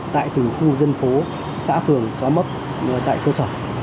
tại từ khu dân phố xã phường xóa mấp tại cơ sở